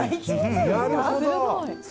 なるほど！